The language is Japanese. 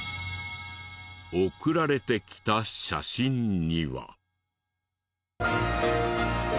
送られてきた写真には。